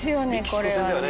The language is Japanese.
これはね」